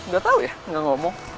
gak tau ya nggak ngomong